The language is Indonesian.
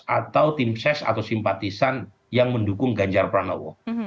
atau tim ses atau simpatisan yang mendukung ganjar pranowo